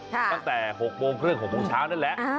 ตั้งแต่๖โมงครึ่ง๖โมงเช้านั่นแหละ